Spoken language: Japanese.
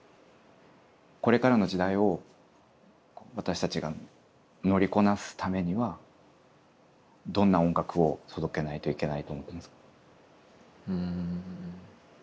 これからの時代を私たちが「乗りこなす」ためにはどんな音楽を届けないといけないと思ってますか？